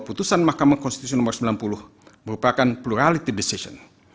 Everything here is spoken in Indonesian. putusan mahkamah konstitusi nomor sembilan puluh merupakan plurality decision